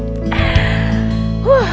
jangan kaget pak dennis